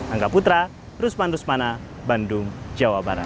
angga putra rusman rusmana bandung jawa barat